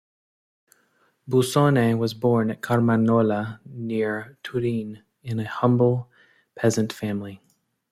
Bussone was born at Carmagnola, near Turin, in a humble peasant family.